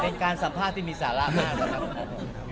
เป็นการสัมภาษณ์ที่มีสาระมากนะครับ